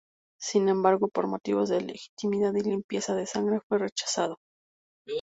Sin embargo, por motivos de legitimidad y limpieza de sangre fue rechazado.